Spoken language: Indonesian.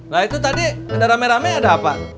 nah itu tadi ada rame rame ada apa